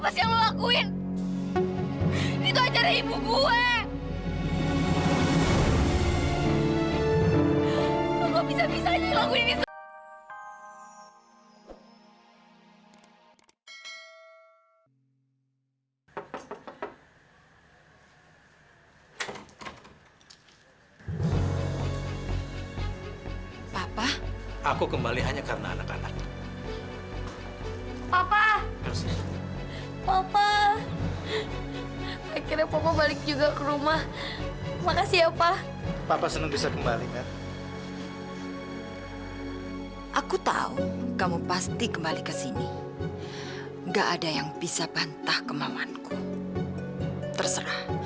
sampai jumpa di video selanjutnya